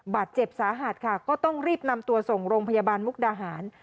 บาดเจ็บสาหัสค่ะก็ต้องรีบนำตัวส่งโรงพยาบาลมุกดาหาร